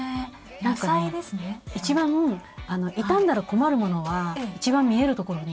一番傷んだら困るものは一番見えるところに。